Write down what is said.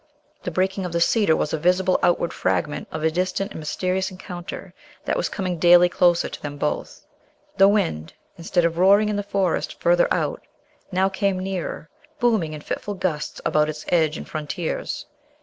The breaking of the cedar was a visible outward fragment of a distant and mysterious encounter that was coming daily closer to them both. The wind, instead of roaring in the Forest further out, now cam nearer, booming in fitful gusts about its edge and frontiers.